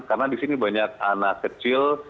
karena disini banyak anak kecil